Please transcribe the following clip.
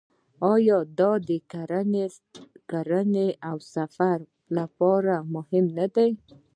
آیا دا د کرنې او سفر لپاره مهم نه دی؟